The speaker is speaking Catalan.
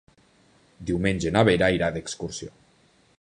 Diumenge na Vera irà d'excursió.